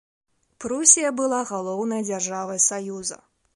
Прусія была галоўнай дзяржавай саюза.